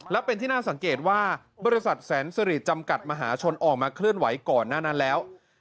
และเป็นที่น่าสังเกตว่าบริษัทแสนสิริจำกัดมหาชนออกมาเคลื่อนไหวก่อนหน้านั้นแล้ว